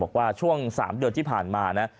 บอกว่าช่วง๓เดือนที่ผ่านมานะ